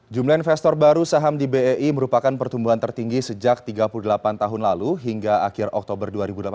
jumlah investor baru saham di bei merupakan pertumbuhan tertinggi sejak tiga puluh delapan tahun lalu hingga akhir oktober dua ribu delapan belas